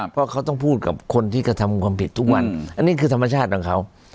เพราะเขาต้องพูดกับคนที่กระทำความผิดทุกวันอันนี้คือธรรมชาติของเขา